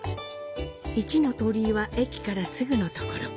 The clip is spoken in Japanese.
一ノ鳥居は駅からすぐのところ。